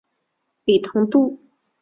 李同度。